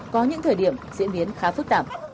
có những thời điểm diễn biến khá phức tạp